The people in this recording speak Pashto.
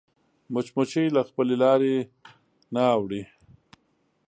مچمچۍ له خپلې لارې نه اوړي